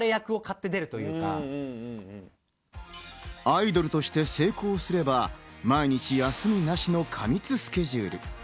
アイドルとして成功すれば毎日休みなしの過密スケジュール。